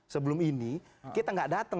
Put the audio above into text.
sebelum ini kita gak datang